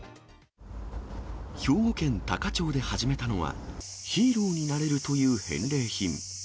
兵庫県多可町で始めたのは、ヒーローになれるという返礼品。